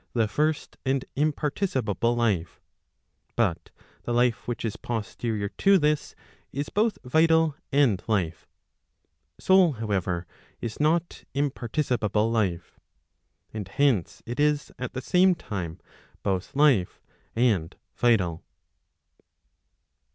the first and imparticipable life ; but the life which is posterior to this, is both vital and life. Soul however, is not imparticipable life. And hence it is at the same time both life and vital.